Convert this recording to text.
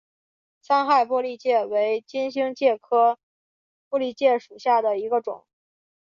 三害玻璃介为金星介科玻璃介属下的一个种。